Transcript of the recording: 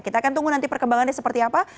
kita akan tunggu nanti perkembangannya seperti apa